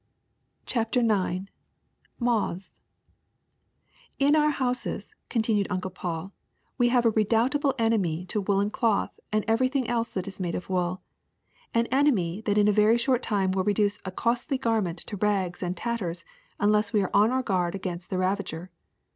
'^ CHAPTER IX MOTHS *^ TN" our houses/' continued Uncle Paul, '*we have a X redoubtable enemy to woolen cloth and every thing else that is made of wool — an enemy that in a very short time will reduce a costly garment to rags and tatters unless we are on our guard against the ravager.